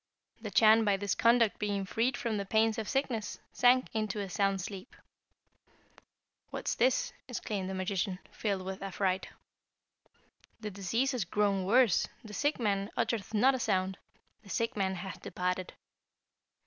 The Chan, by this conduct being freed from the pains of sickness, sank into a sound sleep. 'What is this?' exclaimed the magician, filled with affright. 'The disease has grown worse, the sick man uttereth not a sound; the sick man hath departed.'